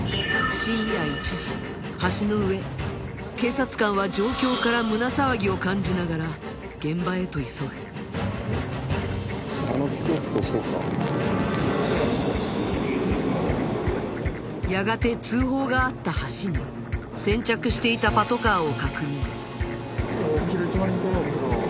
深夜１時橋の上警察官は状況から胸騒ぎを感じながら現場へと急ぐやがて通報があった橋に先着していたパトカーを確認